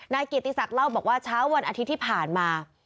นายเกียรติศักดิ์เล่าบอกว่าเช้าวันอาทิตย์ที่ผ่านมา